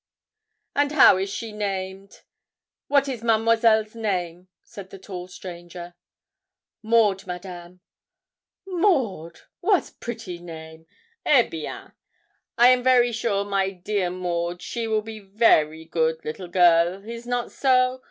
'And how is she named what is Mademoiselle's name?' said the tall stranger. 'Maud, Madame.' 'Maud! what pretty name! Eh bien! I am very sure my dear Maud she will be very good little girl is not so?